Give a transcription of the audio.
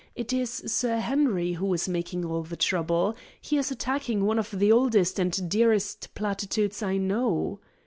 It is Sir Henry who is making all the trouble. He is attacking one of the oldest and dearest platitudes I know."